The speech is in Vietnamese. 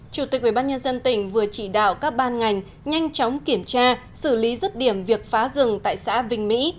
chủ tịch ubnd tỉnh vừa chỉ đạo các ban ngành nhanh chóng kiểm tra xử lý rứt điểm việc phá rừng tại xã vinh mỹ